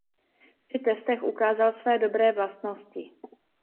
Při testech ukázal své dobré vlastnosti.